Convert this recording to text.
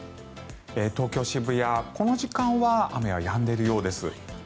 東京・渋谷、この時間は雨はやんでいるようです。